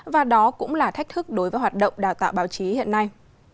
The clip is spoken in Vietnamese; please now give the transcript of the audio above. và đó cũng là thách thức đối với hoạt động đào tạo báo chí hiện nay